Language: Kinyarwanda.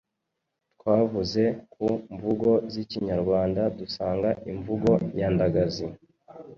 Twavuze ku mvugo z’ikinyarwanda dusanga imvugo nyandagazi